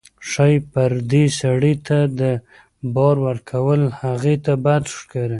ښایي پردي سړي ته د بار ورکول هغې ته بد ښکاري.